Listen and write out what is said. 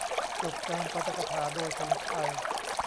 จบการปาฐกถาโดยธงชัย